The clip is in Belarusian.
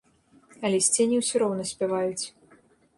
Але сцені ўсё роўна спяваюць.